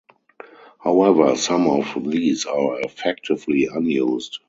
However, some of these are effectively unused.